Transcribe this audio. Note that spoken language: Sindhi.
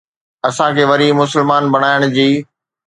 اسان کي وري مسلمان بنائڻ جي؟